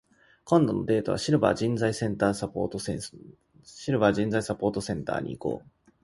今度のデートは、シルバー人材サポートセンターに行こう。